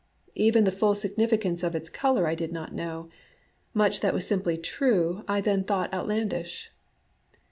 Even the full significance of its color I did not know : much that was simply true I then thought outlandish.